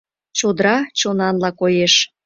Чодра чонанла коеш.